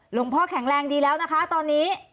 พ่อแข็งแรงดีแล้วนะคะตอนนี้